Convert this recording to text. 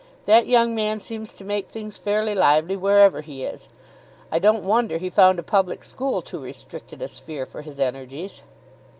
That young man seems to make things fairly lively wherever he is. I don't wonder he found a public school too restricted a sphere for his energies."